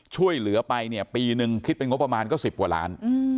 ช่วยเหลือไปเนี่ยปีนึงคิดเป็นงบประมาณก็๑๐กว่าล้าน